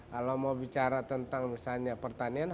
kalau mau bicara tentang misalnya pertanian